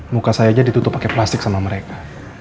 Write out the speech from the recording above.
muka saya aja ditutup pakai plastik sama mereka